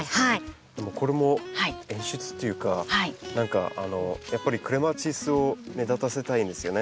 でもこれも演出っていうか何かやっぱりクレマチスを目立たせたいんですよね。